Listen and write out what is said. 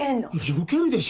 よけるでしょ。